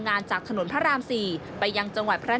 อันนี้ก็จะเป็นเรื่องที่ทำให้ประเทศชาติเสียประโยชน์